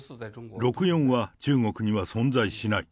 六四は中国には存在しない。